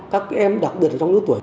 các em đặc biệt là trong nước tuổi